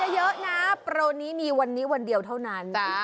อย่าลืมมาอุดมึงกันเยอะนะโปรนี้มีวันนี้วันเดียวเท่านั้น